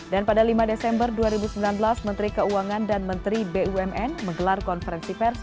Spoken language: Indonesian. dan pada lima desember dua ribu sembilan belas menteri keuangan dan menteri bumn menggelar konferensi pers